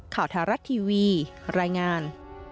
ข่าวไทยรัฐทีวีรายงาน